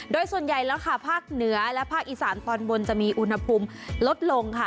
โดยส่วนใหญ่แล้วค่ะภาคเหนือและภาคอีสานตอนบนจะมีอุณหภูมิลดลงค่ะ